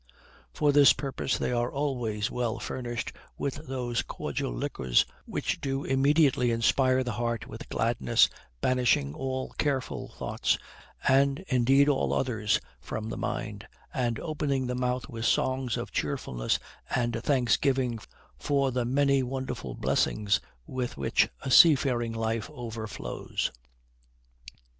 For this purpose they are always well furnished with those cordial liquors which do immediately inspire the heart with gladness, banishing all careful thoughts, and indeed all others, from the mind, and opening the mouth with songs of cheerfulness and thanksgiving for the many wonderful blessings with which a seafaring life overflows.